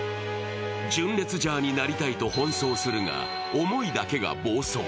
純烈ジャーになりたいと奔走するが、思いだけが暴走。